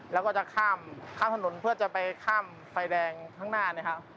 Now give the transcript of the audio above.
แล้วก็จะข้ามถนนเพื่อจะไปข้ามไฟแดงข้างหน้านะครับ